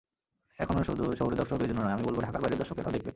এগুলো শুধু শহুরে দর্শকদের জন্য নয়, আমি বলব, ঢাকার বাইরের দর্শকেরাও দেখবেন।